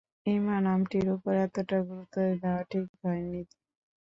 ইমা নামটির ওপর এতটা গুরুত্ব দেয়া ঠিক হয় নি।